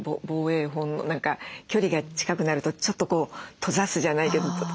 防衛本能何か距離が近くなるとちょっと閉ざすじゃないけど。